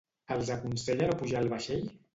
Els aconsella no pujar al vaixell?